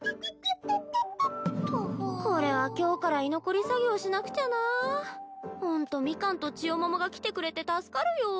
これは今日から居残り作業しなくちゃなホントミカンとちよももが来てくれて助かるよ